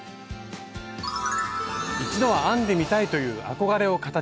一度は編んでみたいという憧れを形に！